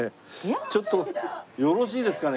ちょっとよろしいですかね？